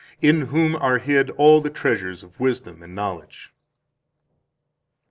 In whom are hid all the treasures of wisdom and knowledge.